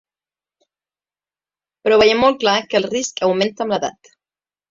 Però veiem molt clar que el risc augmenta amb l’edat.